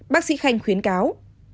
bác sĩ khanh khuyến cáo